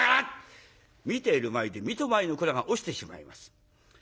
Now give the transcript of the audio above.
見ている前で三戸前の蔵が落ちてしまいます。